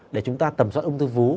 để chúng ta tầm soát ung thư vú